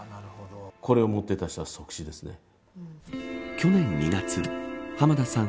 去年２月浜田さん